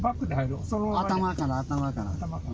頭から、頭から。